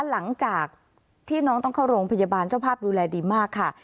หลังจากที่น้องต้องเข้าโรงพยาบาลเจ้าภาพดูแลดีมากค่ะ